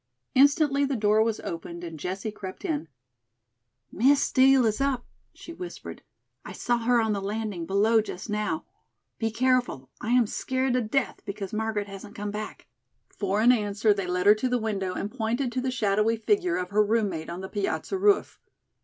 Instantly the door was opened and Jessie crept in. "Miss Steel is up," she whispered. "I saw her on the landing below just now. Be careful. I am scared to death because Margaret hasn't come back." For an answer, they led her to the window and pointed to the shadowy figure of her roommate on the piazza roof.